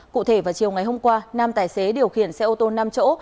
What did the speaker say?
cụ thể vào chiều ngày hôm qua năm tài xế điều khiển xe ô tô nằm chỗ